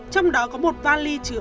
trong đó có một van ly chứa